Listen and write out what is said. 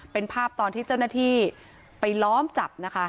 เป็นภาพตอนที่เจ้าหน้าที่ไปล้อมจับนะคะ